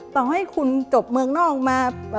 ต่อให้คุณจบเมืองนอกมา